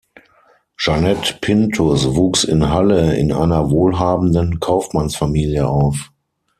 Jeanette Pinthus wuchs in Halle in einer wohlhabenden Kaufmannsfamilie auf.